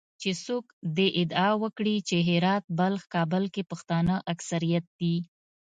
چې څوک دې ادعا وکړي چې هرات، بلخ، کابل کې پښتانه اکثریت دي